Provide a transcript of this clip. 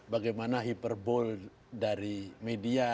bagaimana hyperbol dari media